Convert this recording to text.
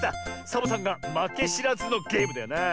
サボさんがまけしらずのゲームだよなあ。